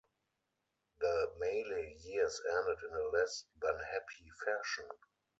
The Maley years ended in a less than happy fashion.